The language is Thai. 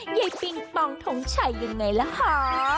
เย้ปิงปองทงฉัยยังไงล่ะฮะ